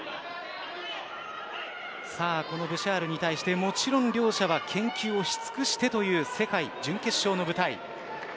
このブシャールに対してもちろん両者は研究をし尽くしてという世界柔道準決勝の舞台。